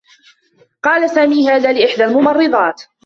قال سامي هذا لإحدى الممرّضات.